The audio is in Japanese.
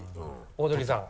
オードリーさん